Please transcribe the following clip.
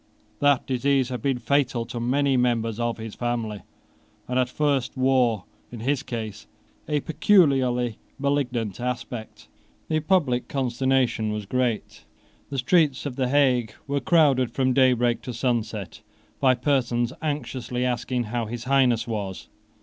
That disease had been fatal to many members of his family, and at first wore, in his case, a peculiarly malignant aspect. The public consternation was great. The streets of the Hague were crowded from daybreak to sunset by persons anxiously asking how his Highness was.